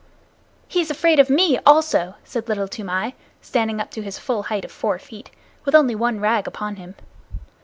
"He is afraid of me also," said Little Toomai, standing up to his full height of four feet, with only one rag upon him.